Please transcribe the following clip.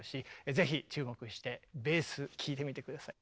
ぜひ注目してベース聴いてみて下さい。